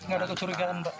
gak ada kecurigaan mbak